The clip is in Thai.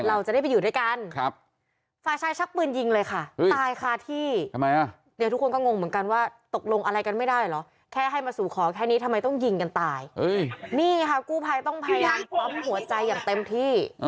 อ่าแล้วอย่างไร